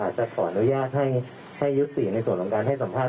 จะขออนุญาตให้ยุติในส่วนของการให้สัมภาษณ